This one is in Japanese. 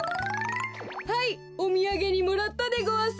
はいおみやげにもらったでごわす。